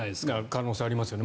可能性ありますよね。